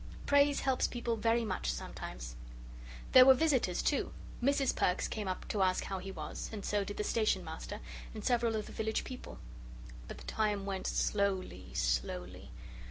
Praise helps people very much, sometimes. There were visitors, too. Mrs. Perks came up to ask how he was, and so did the Station Master, and several of the village people. But the time went slowly, slowly.